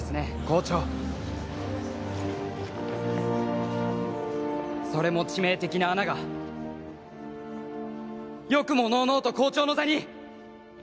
校長それも致命的な穴がよくものうのうと校長の座に！